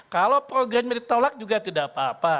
kalau programnya ditolak juga tidak apa apa